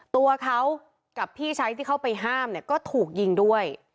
ตัวเขากับพี่ชายที่เข้าไปห้ามเนี่ยก็ถูกยิงด้วย